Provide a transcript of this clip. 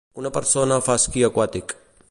Una persona fa esquí aquàtic.